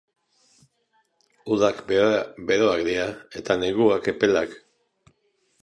Udak beroak dira eta neguak epelak.